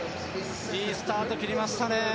いいスタート切りましたね。